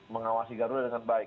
mengawasi garuda dengan baik